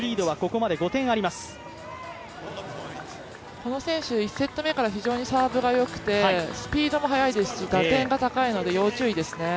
この選手、１セット目から非常にサービスがよくてスピードも速いし打点が高いので要注意ですね。